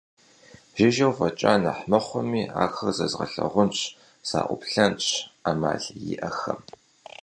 Жыжьэу фӀэкӀа нэхъ мыхъуми, ахэр зэзгъэлъагъунщ, саӀуплъэнщ Ӏэмал иӀэххэмэ.